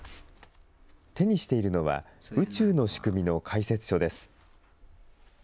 手にしているのは宇宙の仕組みの解説書です。